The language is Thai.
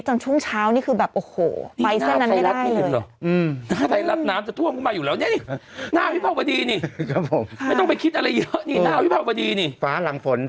ตอนช่วงเช้านี่คือแบบโอ้โหไปเส้นนั้นไม่ได้เลยนี่น่าพอวัดไม่ถึงหรอ